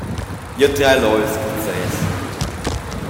Jeu traiel ora ils calzers.